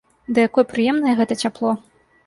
Ды якое прыемнае гэта цяпло!